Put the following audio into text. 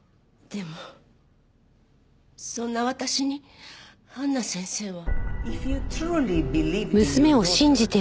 でもそんな私にハンナ先生は。